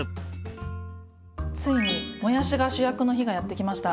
ついにもやしが主役の日がやって来ました。